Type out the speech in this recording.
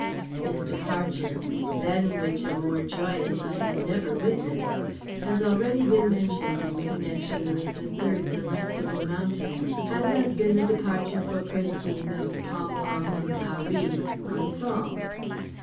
His departure (than which a more joyous I have never witnessed) has been already mentioned in connection with the third Delectable Mountain, as has been the departure for Précigne of Pom Pom and Harree ensemble.